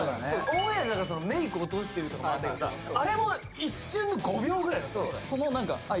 オンエアなんかそのメイク落としてるとかもあったけどさあれも一瞬の５秒ぐらいなんだよ